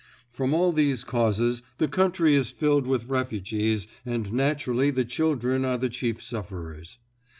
From all these causes the country is filled with refugees and naturally the children are the chief sufferers.